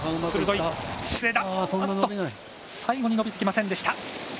最後に伸びてきませんでした。